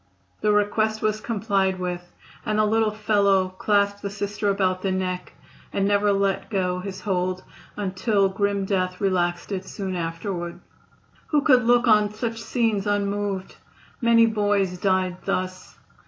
The request was complied with, and the little fellow clasped the Sister about the neck and never let go his hold until grim death relaxed it soon afterward. Who could look on such scenes unmoved! Many boys died thus.